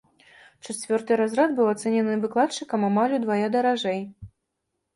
Чацвёрты разрад быў ацэнены выкладчыкам амаль удвая даражэй.